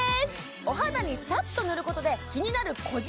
お肌にさっと塗ることで気になるえっ！？